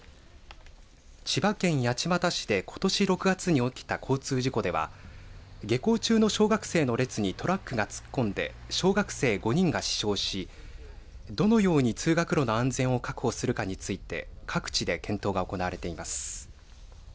千葉県八街市でことし６月に起きた交通事故では下校中の小学生の列にトラックが突っ込んで小学生５人が死傷しどのように通学路の安全を確保するかについて各地で検討が行われています。